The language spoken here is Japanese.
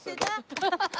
アハハハ。